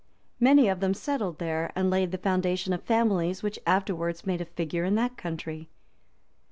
Many of them settled there, and laid the foundation of families which afterwards made a figure in that country.